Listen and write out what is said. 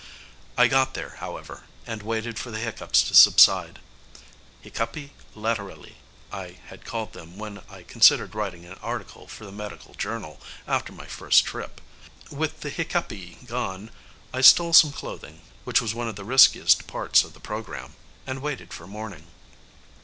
I got there, however, and waited for the hiccups to subside. Hiccupi laterali, I had called them when I considered writing an article for the Medical Journal after my first trip. With the hiccupi gone, I stole some clothing which was one of the riskiest parts of the program and waited for morning.